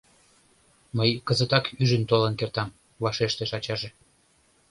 — Мый кызытак ӱжын толын кертам, — вашештыш ачаже.